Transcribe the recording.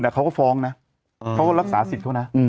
แล้วก็ฟ้องนะเขาได้รักษาสิทธิ์เขานะ